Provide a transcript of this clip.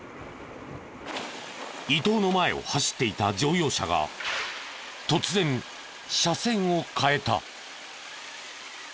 伊東の前を走っていた乗用車が突然車線を変えた。